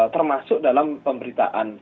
termasuk dalam pemberitaan